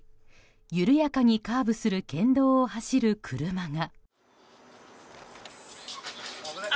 緩やかにカーブする県道を走る車が。